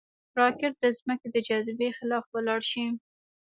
راکټ د ځمکې د جاذبې خلاف ولاړ شي